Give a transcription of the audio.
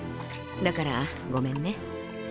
だからごめんね。